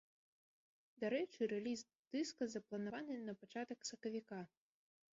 Дарэчы, рэліз дыска запланаваны на пачатак сакавіка.